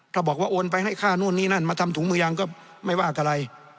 ถ้าบอกว่าโอนไปให้ค่านู่นนี่นั่นมาทำถุงมือยางก็ไม่ว่าอะไร